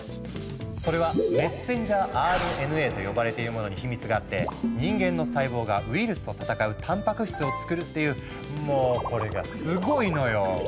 それは「メッセンジャーＲＮＡ」と呼ばれているものにヒミツがあって人間の細胞がウイルスと戦うたんぱく質をつくるっていうもおこれがスゴいのよ！